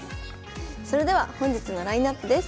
それでは本日のラインナップです。